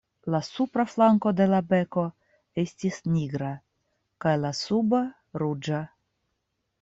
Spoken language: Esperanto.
La supra flanko de la beko estis nigra, kaj la suba ruĝa.